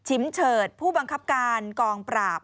เฉิดผู้บังคับการกองปราบ